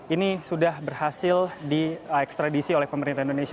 ini sudah berhasil di ekstradisi oleh pemerintah indonesia